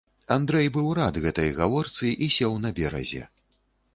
Андрэй быў рад гэтай гаворцы і сеў на беразе.